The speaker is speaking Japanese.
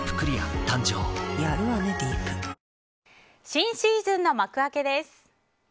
新シーズンの幕開けです。